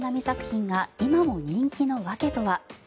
池上作品が今も人気の訳とは。